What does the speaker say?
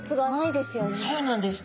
そうなんです。